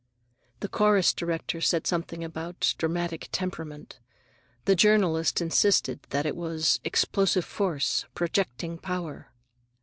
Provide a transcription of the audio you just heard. The chorus director said something about "dramatic temperament." The journalist insisted that it was "explosive force," "projecting power."